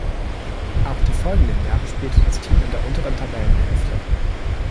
Auch die folgenden Jahre spielte das Team in der unteren Tabellenhälfte.